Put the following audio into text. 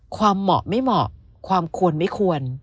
เหมาะไม่เหมาะความควรไม่ควร